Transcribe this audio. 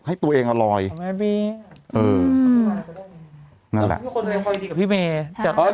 ให้ตัวเองอ่ะลอยเออนั่นแหละทุกคนตัวเองคอยดีกับพี่เมย์ใช่